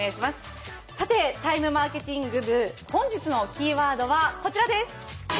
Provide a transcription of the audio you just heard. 「ＴＩＭＥマーケティング部」、本日のキーワードはこちらです。